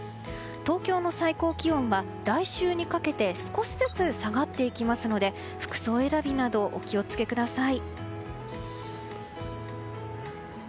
東京の最高気温は、来週にかけて少しずつ下がっていきますので服装選びなどお気を付けください。